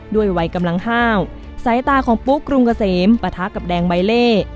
ด้วยวัยกำลังห้าวสายตาของปุ๊กกรุงเกษมปะทะกับแดงใบเล่